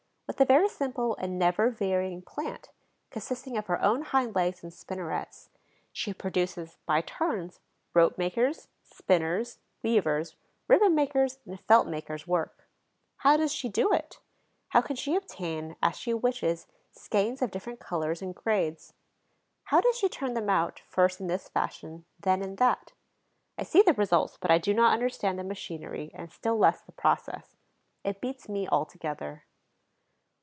With a very simple and never varying plant, consisting of her own hind legs and spinnerets, she produces, by turns, rope maker's, spinner's, weaver's, ribbon maker's and felt maker's work. How does she do it? How can she obtain, as she wishes, skeins of different colors and grades? How does she turn them out, first in this fashion, then in that? I see the results, but I do not understand the machinery and still less the process. It beats me altogether.